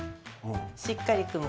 しっかり組む。